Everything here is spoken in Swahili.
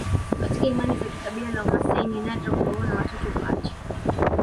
Katika imani za kabila la Wamaasai ni nadra kuwaona watoto pacha